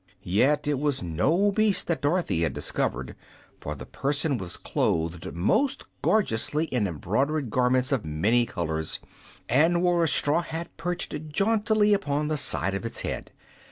Yet it was no beast that Dorothy had discovered, for the person was clothed most gorgeously in embroidered garments of many colors, and wore a straw hat perched jauntily upon the side of its head.